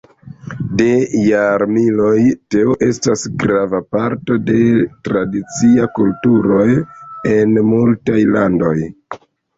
De jarmiloj teo estas grava parto de tradiciaj kulturoj en multaj landoj.